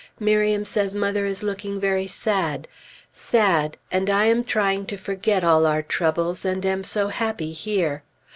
Miriam says mother is looking very sad. Sad, and I am trying to forget all our troubles, and am so happy here!